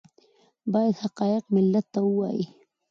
باید حقایق ملت ته ووایي